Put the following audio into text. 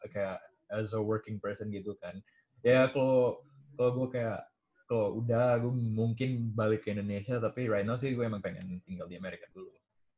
kayak as a working person gitu kan ya kalo gua kayak kalo udah gua mungkin balik ke indonesia tapi right now sih gua emang pengen tinggal di amerika dulu